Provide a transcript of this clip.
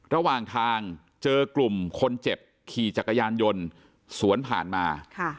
ระหว่างทางเจอกลุ่มคนเจ็บขี่จักรยานยนต์สวนผ่านมา